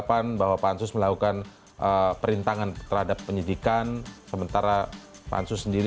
pihak yang pasti menjadi eksekutif teliti